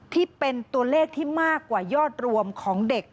ที่เป็นตัวเลขที่มากกว่ายอดรวมของเด็ก